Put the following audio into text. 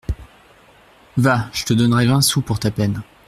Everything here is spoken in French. Va, je te donnerai vingt sous pour ta peine.